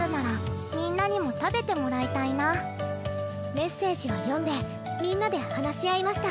メッセージを読んでみんなで話し合いました。